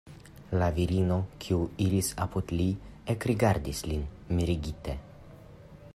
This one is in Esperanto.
La virino, kiu iris apud li, ekrigardis lin mirigite.